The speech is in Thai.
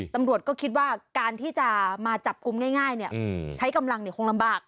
ตำรวจก็คิดว่าการที่จะมาจับกลุ่มง่ายใช้กำลังคงลำบาก